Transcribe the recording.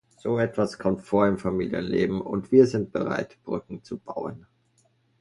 So etwas kommt vor im Familienleben, und wir sind bereit, Brücken zu bauen.